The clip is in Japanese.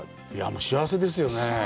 幸せですよね。